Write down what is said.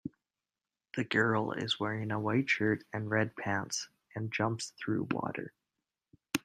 The girl is wearing a white shirt and red pants, and jumps through water.